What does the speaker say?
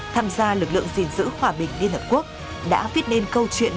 tham gia lực lượng gìn giữ hòa bình liên hợp quốc đã viết nên câu chuyện